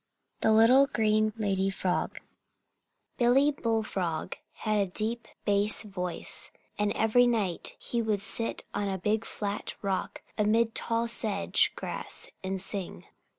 THE LITTLE GREEN LADY FROG Billy Bull Frog had a deep bass voice, and every night he would sit on a big flat rock amid tall sedge grass and sing.